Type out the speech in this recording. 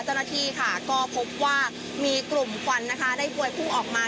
เจ้าหน้าที่ก็พบว่ามีกลุ่มควันได้พวยผู้ออกมา